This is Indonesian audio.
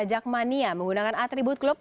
jakmania menggunakan atribut klub